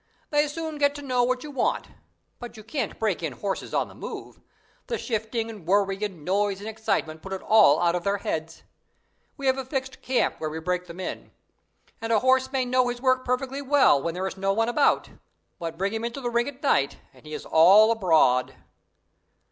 They soon get to know what you want; but you can't break in horses on the move. The shifting and worry and noise and excitement put it all out of their heads. We have a fixed camp where we break them in. And a horse may know his work perfectly well when there is no one about, but bring him into the ring at night, and he is all abroad."